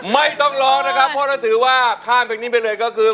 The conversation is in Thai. ไม่ต้องร้องนะครับเพราะถ้าถือว่าข้ามเพลงนี้ไปเลยก็คือ